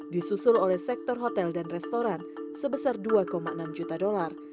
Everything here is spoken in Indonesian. disusul oleh sektor hotel dan restoran sebesar dua enam juta dolar